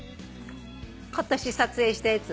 今年撮影したやつ。